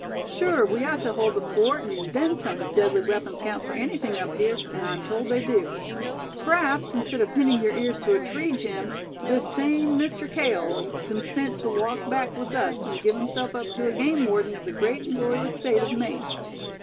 "Sure we ought to hold the fort, and then some, if deadly weapons count for anything up here, and I'm told they do. P'raps, instead of pinning your ears to a tree, Jim, this same Mister Cale'll consent to walk back with us, and give himself up to a game warden of the great and glorious State of Maine.